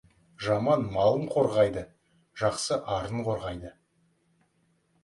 Жаман малын қорғайды, жақсы арын қорғайды.